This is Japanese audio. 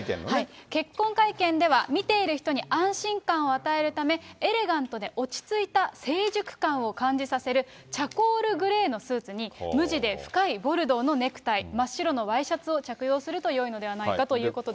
結婚会見では、見ている人に安心感を与えるため、エレガントで落ち着いた成熟感を感じさせる、チャコールグレーのスーツに、無地で深いボルドーのネクタイ、真っ白のワイシャツを着用するとよいのではないかということで。